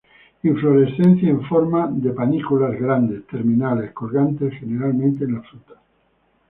Inflorescencia en forma de de panículas grandes, terminales, colgantes generalmente en la fruta.